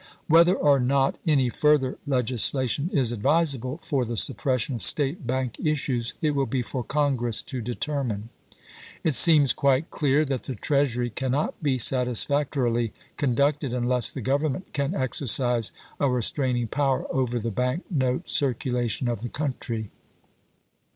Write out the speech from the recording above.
Whether or not any further legislation is advisable for the sup pression of State bank issues, it will be for Congress to determine. It seems quite clear that the Treasury can not be satisfactorily conducted unless the Government can exercise a restraining power over the bank note circu lation of the country.